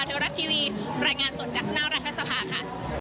เทวรักทีวีปรายงานสดจากน้องรัฐสภาค่ะ